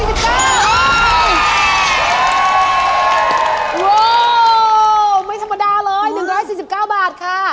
โอ้โหไม่ธรรมดาเลย๑๔๙บาทค่ะ